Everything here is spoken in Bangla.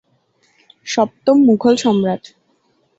সপ্তম মুঘল সম্রাট।